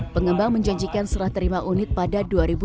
pengembang menjanjikan serah terima unit pada dua ribu dua puluh